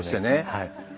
はい。